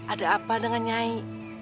ada apa dengan nyai